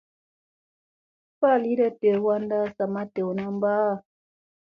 Falita dew wanda sa ma dewna mba ha.